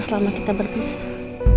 selama kita berpisah